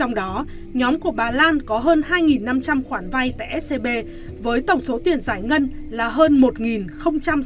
trong đó nhóm của bà lan có hơn hai năm trăm linh khoản vay tại scb với tổng số tiền giải ngân là hơn một sáu mươi